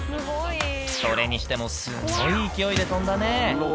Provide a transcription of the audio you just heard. それにしてもすごい勢いで飛んだね。